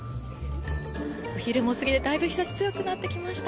お昼も過ぎてだいぶ日差しが強くなってきました。